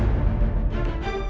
aku akan mencari cherry